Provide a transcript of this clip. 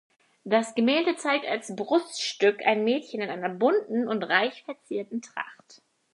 Das Gemälde zeigt als Bruststück ein Mädchen in einer bunten und reich verzierten Tracht.